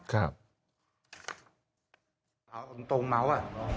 ครับ